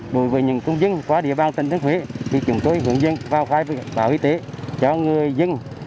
đối với những công dân qua địa bàn tỉnh thế thuế chúng tôi hướng dẫn vào khai báo y tế cho người dân